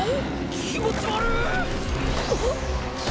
気持ち悪！